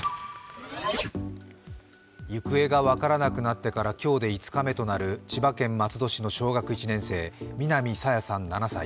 行方が分からなくなってから今日で５日目となる千葉県松戸市の小学１年生、南朝芽さん７歳。